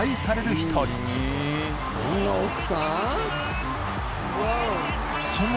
一人どんな奥さん？